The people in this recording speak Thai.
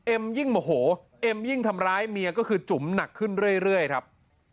ยิ่งโมโหเอ็มยิ่งทำร้ายเมียก็คือจุ๋มหนักขึ้นเรื่อยครับ